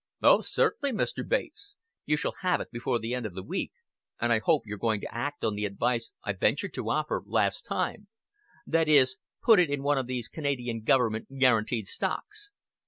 "Oh, certainly, Mr. Bates. You shall have it before the end of the week and I hope you're going to act on the advice I ventured to offer last time; that is, put it in one of these Canadian Government guaranteed stocks."